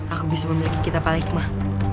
aku bisa memiliki kitab al hikmah